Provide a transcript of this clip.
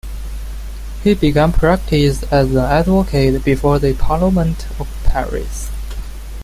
He began practice as an advocate before the "parlement" of Paris.